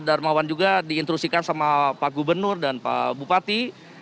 darmawan juga diintrusikan sama pak gubernur dan pak bupati